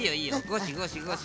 ゴシゴシゴシ。